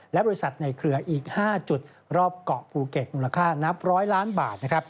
และบริษัทในเครืออีก๕จุดรอบเกาะภูเก็ตมูลค่านับร้อยล้านบาท